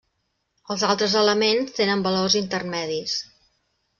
Els altres elements tenen valors intermedis.